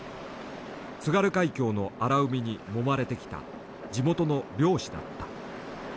津軽海峡の荒海にもまれてきた地元の漁師だった。